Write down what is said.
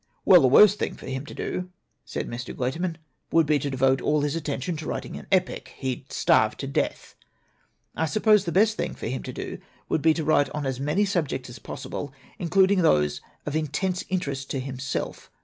"Well, the worst thing for him to do," said Mr. Guiterman, "would be to devote all his at tention to writing an epic. He'd starve to death. "I suppose the best thing for him to do would be to write on as many subjects as possible, in cluding those of intense interest to himself.